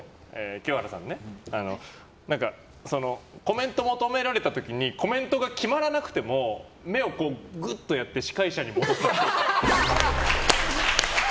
清原さんにですがコメント求められた時にコメントが決まらなくても目をぐっとやって司会者に戻すっぽい。